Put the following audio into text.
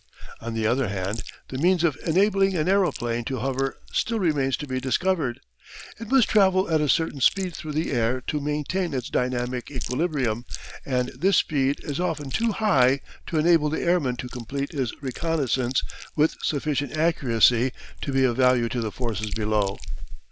On the other hand, the means of enabling an aeroplane to hover still remain to be discovered. It must travel at a certain speed through the air to maintain its dynamic equilibrium, and this speed is often too high to enable the airman to complete his reconnaissance with sufficient accuracy to be of value to the forces below.